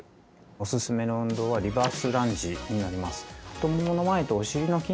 オススメの運動はリバースランジになります。